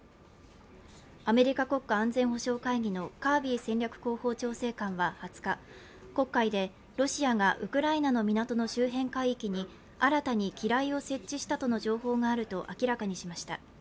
アメリカ国家安全保障会議のカービー戦略広報調整官は２０日、黒海でロシアがウクライナの港の周辺海域に新たに機雷を設置したとの情報があると明らかにしました。